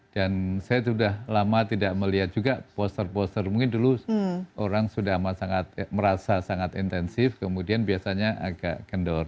dan saya sudah lama tidak melihat juga poster poster mungkin dulu orang sudah merasa sangat intensif kemudian biasanya agak kendor